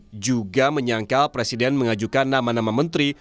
jokowi juga menyangkal presiden mengajukan nama nama menteri